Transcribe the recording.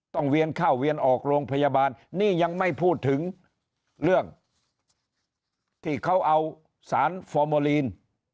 เวียนเข้าเวียนออกโรงพยาบาลนี่ยังไม่พูดถึงเรื่องที่เขาเอาสารฟอร์โมลีน